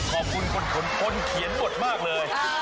ขอบคุณคนเขียนบทมากเลย